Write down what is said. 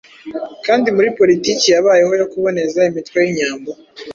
kandi muri politiki yabayeho yo kuboneza imitwe y'inyambo